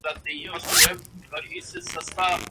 ایمان داری بہترین حکمت عملی ہے۔